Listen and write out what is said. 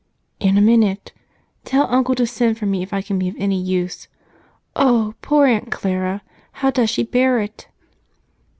"In a minute. Tell Uncle to send for me if I can be of any use. Oh, poor Aunt Clara! How does she bear it?"